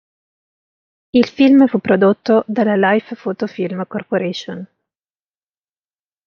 Il film fu prodotto dalla Life Photo Film Corp.